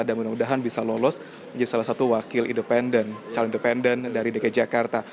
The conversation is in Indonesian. dan mudah mudahan bisa lolos menjadi salah satu wakil independen calon independen dari dki jakarta